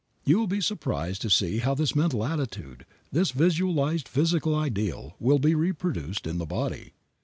You will be surprised to see how this mental attitude, this visualized physical ideal, will be reproduced in the body.